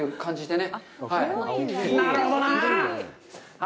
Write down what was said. なるほどなあ。